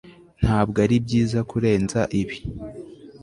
ntabwo aribyiza kurenza ibi